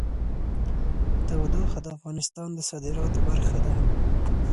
تودوخه د افغانستان د صادراتو برخه ده.